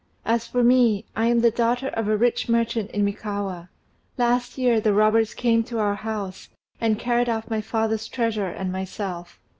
As for me, I am the daughter of a rich merchant in Mikawa: last year the robbers came to our house, and carried off my father's treasure and myself.